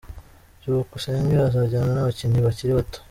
Byukusenge azajyana n’abakinnyi bakiri bato